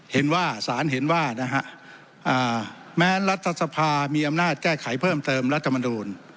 เห็นว่าศาลเห็นว่าแม้รัฐสภามีอำนาจแก้ไขเพิ่มเติมรัฐมนูล